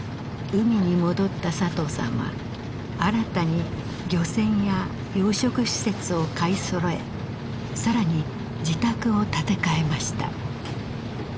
海に戻った佐藤さんは新たに漁船や養殖施設を買いそろえ更に自宅を建て替えました。